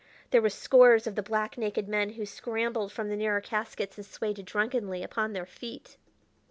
There were scores of the black, naked men who scrambled from the nearer caskets and swayed drunkenly upon their feet.